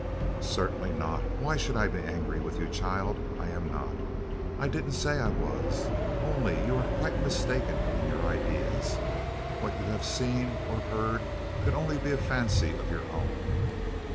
"Certainly not. Why should I be angry with you, child? I'm not. I didn't say I was; only you are quite mistaken in your ideas. What you've seen, or heard, could be only a fancy of your own.